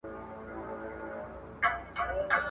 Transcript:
خدای ج انسان ته بي شمیره نعمتونه ورکړي دي.